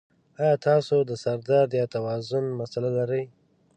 ایا تاسو د سر درد یا توازن مسلې لرئ؟